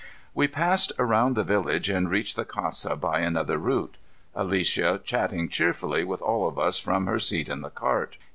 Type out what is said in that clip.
We passed around the village and reached the casa by another route, Alicia chatting cheerfully with all of us from her seat in the cart.